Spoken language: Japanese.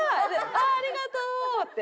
「ああありがとう」って。